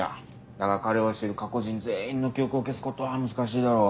だが彼を知る過去人全員の記憶を消すことは難しいだろう。